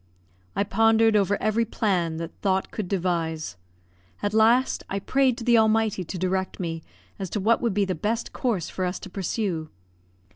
I pondered over every plan that thought could devise; at last, I prayed to the Almighty to direct me as to what would be the best course for us to pursue.